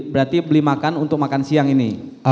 berarti beli makan untuk makan siang ini